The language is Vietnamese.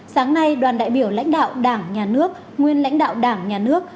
sáng nay đoàn đại biểu lãnh đạo đảng nhà nước nguyên lãnh đạo đảng nhà nước